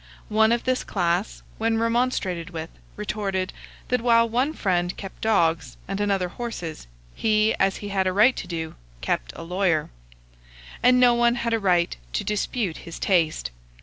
One of this class, when remonstrated with, retorted, that while one friend kept dogs, and another horses, he, as he had a right to do, kept a lawyer; and no one had a right to dispute his taste.